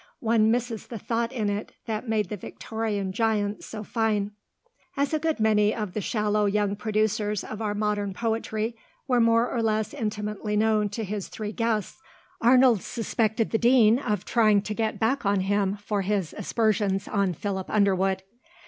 "One misses the thought in it that made the Victorian giants so fine." As a good many of the shallow young producers of our modern poetry were more or less intimately known to his three guests, Arnold suspected the Dean of trying to get back on him for his aspersions on Philip Underwood.